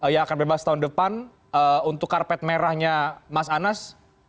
yang akan bebas tahun depan untuk karpet merahnya mas anas